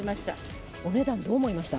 お値段、どう思いました？